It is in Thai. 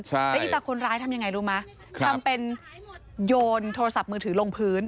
แล้วอีตาคนร้ายทำยังไงรู้ไหมทำเป็นโยนโทรศัพท์มือถือลงพื้น